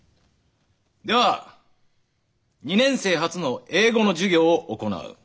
では２年生初の英語の授業を行う。